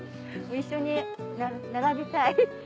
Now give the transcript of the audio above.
一緒に並びたい。